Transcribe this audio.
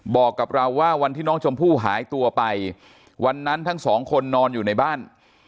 บอกกับเราว่าวันที่น้องชมพู่หายตัวไปวันนั้นทั้งสองคนนอนอยู่ในบ้าน